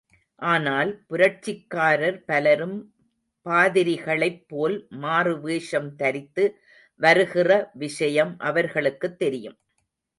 ஆனால் புரட்சிக்காரர் பலரும் பாதிரிகளைப் போல் மாறு வேஷம் தரித்து வருகிற விஷயம் அவர்களுக்குத் தெரியும்.